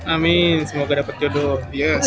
amin semoga dapat jodoh